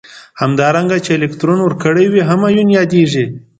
همدارنګه چې الکترون ورکړی وي هم ایون یادیږي.